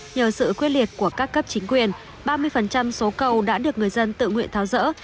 nhờ sự quyết liệt của các cấp chính quyền ba mươi số cầu đã được người dân tự nguyện tháo rỡ